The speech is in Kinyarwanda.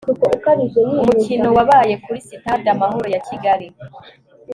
umukino wabaye kuri sitade amahoro ya kigali